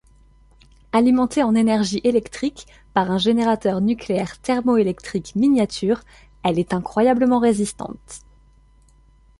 Alimentée en énergie électrique par un générateur nucléaire thermoélectrique miniature, elle est incroyablement résistante.